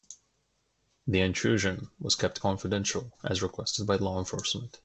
The intrusion was kept confidential as requested by law enforcement.